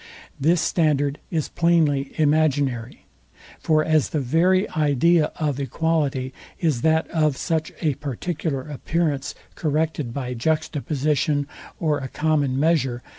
This standard is plainly imaginary. For as the very idea of equality is that of such a particular appearance corrected by juxtaposition or a common measure.